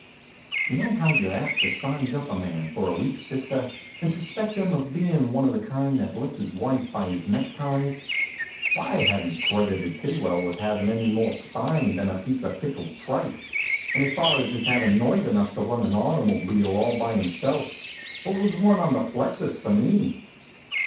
You know how you re apt to size up a man for a weak sister, and suspect him of bein one of the kind that lets his wife buy his neckties? Why, I hadn t credited Tid well with havin any more spine than a piece of pickled tripe, and as for his havin nerve enough to run an automobile all by himself well, it was one on the plexus for me.